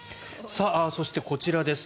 そして、こちらです。